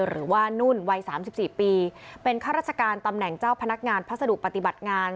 หรือว่านุ่นวัย๓๔ปีเป็นข้าราชการตำแหน่งเจ้าพนักงานพัสดุปฏิบัติงาน